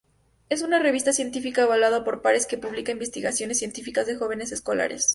Es una revista científica evaluada por pares, que publica investigaciones científicas de jóvenes escolares.